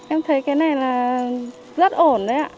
em thấy cái này là rất ổn đấy ạ